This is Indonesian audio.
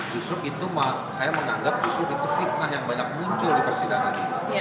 justru itu saya menganggap justru itu fitnah yang banyak muncul di persidangan